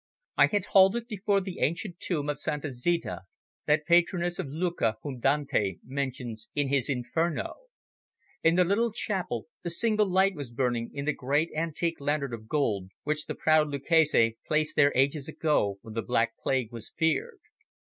I had halted before the ancient tomb of Santa Zita, that patroness of Lucca whom Dante mentions in his Inferno. In the little chapel a single light was burning in the great antique lantern of gold, which the proud Lucchese placed there ages ago when the black plague was feared.